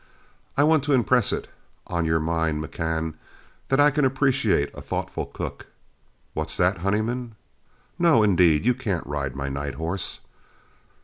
I want to impress it on your mind, McCann, that I can appreciate a thoughtful cook. What's that, Honeyman? No, indeed, you can't ride my night horse.